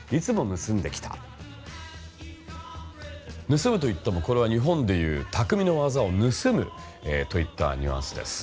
盗むと言ってもこれは日本で言う匠の技を盗むといったニュアンスです。